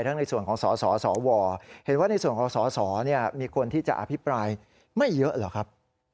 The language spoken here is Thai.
ในส่วนของสสวเห็นว่าในส่วนของสสมีคนที่จะอภิปรายไม่เยอะเหรอครับ